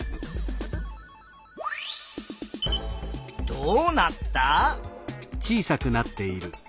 どうなった？